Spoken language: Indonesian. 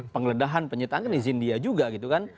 pengledahan penyertaan kan izin dia juga gitu kan